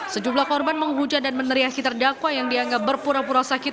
sejumlah korban menghujan dan meneriaki terdakwa yang dianggap berpura pura sakit